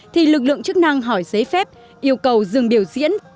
thì lực lượng chức năng hỏi giấy phép yêu cầu dừng biểu diễn